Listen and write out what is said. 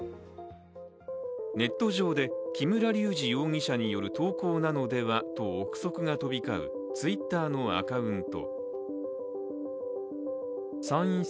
ネット上で木村隆二容疑者による投稿なのではと憶測が飛び交うＴｗｉｔｔｅｒのアカウント。